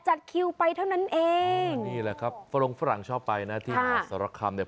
คิวไปเท่านั้นเองนี่แหละครับฝรงฝรั่งชอบไปนะที่มหาสารคำเนี่ย